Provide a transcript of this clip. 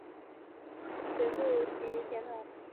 随父徙钱塘。